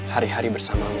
hari hari bersamamu